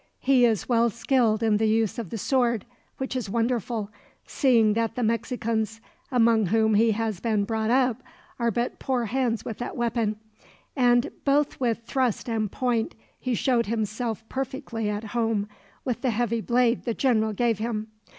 He is well skilled in the use of the sword, which is wonderful, seeing that the Mexicans among whom he has been brought up are but poor hands with that weapon; and both with thrust and point he showed himself perfectly at home with the heavy blade the general gave him.